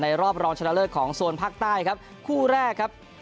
รอบรองชนะเลิศของโซนภาคใต้ครับคู่แรกครับ